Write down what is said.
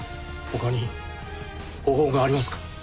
他に方法がありますか？